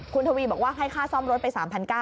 คุณทวีบอกว่าให้ค่าซ่อมรถไป๓๙๐